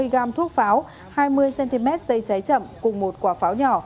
năm mươi g thuốc pháo hai mươi cm dây cháy chậm cùng một quả pháo nhỏ